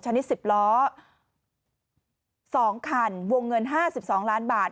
ชนิด๑๐ล้อ๒คันวงเงิน๕๒ล้านบาท